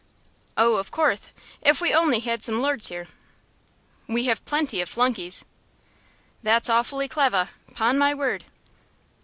"Oh, of courth, if we only had some lords here." "We have plenty of flunkeys." "That's awfully clevah, 'pon my word."